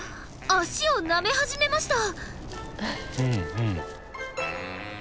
脚をなめ始めました。